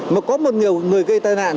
mà có một người gây tai nạn